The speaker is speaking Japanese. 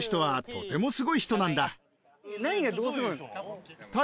何がどうすごいの？